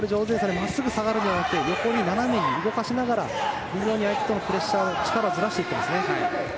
真っすぐ下がるのではなくて横に、斜めに、動かしながら非常に、相手とのプレッシャー力をずらしていますね。